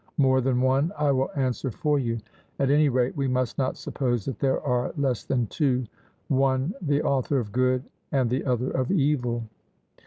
More than one I will answer for you; at any rate, we must not suppose that there are less than two one the author of good, and the other of evil.